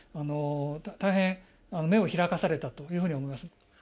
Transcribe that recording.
大変、目を開かされたというふうに思います。